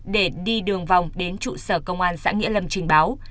để đi đường vòng đến trụ sở công an xã nghĩa lâm trình báo